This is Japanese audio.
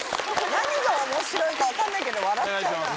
何が面白いか分かんないけど笑っちゃうな。